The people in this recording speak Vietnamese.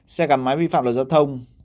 xe gắn máy vi phạm lội giao thông